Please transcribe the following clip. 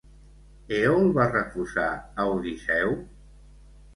Èol va refusar a Odisseu?